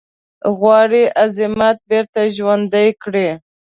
غواړي عظمت بیرته ژوندی کړی.